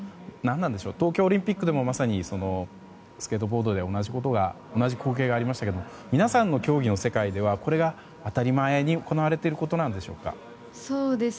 東京オリンピックでもまさにスケートボードで同じ光景がありましたけど皆さんの競技の世界ではこれが当たり前に行われていることなんでしょうか。